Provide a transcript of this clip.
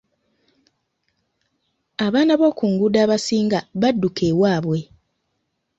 Abaana b'oku nguudo abasinga badduka ewaabwe.